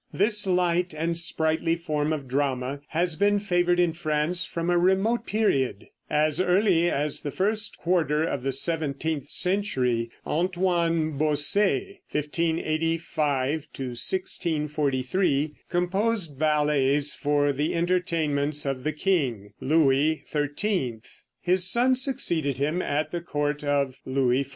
This light and sprightly form of drama has been favored in France from a remote period. As early as the first quarter of the seventeenth century Antoine Boesset (1585 1643) composed ballets for the entertainments of the king, Louis XIII. His son succeeded him at the court of Louis XIV.